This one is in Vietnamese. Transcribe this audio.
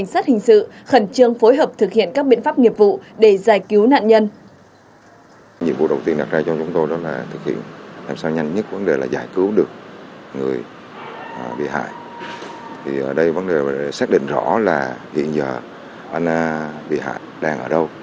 phòng cảnh sát hình sự khẩn trương phối hợp thực hiện các biện pháp nghiệp vụ để giải cứu nạn nhân